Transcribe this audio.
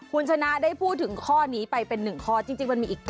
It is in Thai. คุณชนะได้พูดถึงข้อนี้ไปเป็น๑ข้อจริงมันมีอีก๙